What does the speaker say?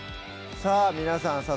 さぁ皆さん